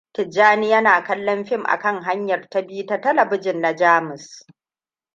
Tijjani yana kallon fim a kan hanyar ta biyu ta talabijin na Jamus.